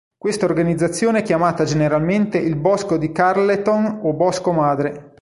Questa organizzazione è chiamata generalmente il Bosco di Carleton o Bosco Madre.